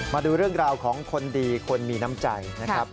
มาดูเรื่องราวของคนดีคนมีน้ำใจนะครับ